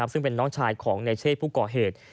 ซึ่งเป็นน้องชายของในเชศผู้ก่อเหตุ